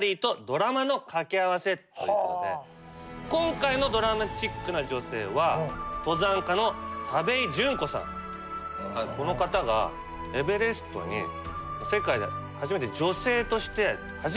今回のドラマチックな女性はこの方がエベレストに世界で初めて女性として初めて登頂した人。